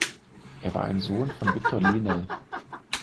Er war ein Sohn von Viktor Lenel.